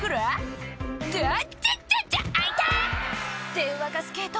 電話かスケート